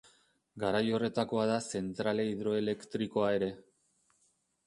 Garai horretakoa da zentrale hidroelektrikoa ere.